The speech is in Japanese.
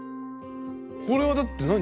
これはだって何？